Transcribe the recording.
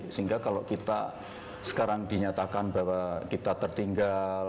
sehingga kalau kita sekarang dinyatakan bahwa kita tertinggal